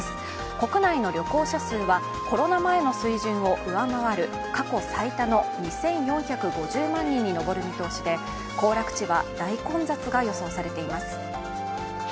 国内の旅行者数はコロナ前の水準を上回る過去最多の２４５０万人に上る見通しで行楽地は大混雑が予想されています。